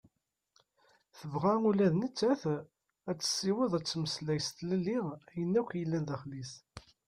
Tebɣa ula d nettat ad tessiweḍ ad temmeslay s tlelli ayen akk yellan daxel-is.